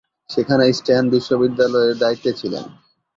সেখানে স্ট্যান বিদ্যালয়ের দায়িত্বে ছিলেন।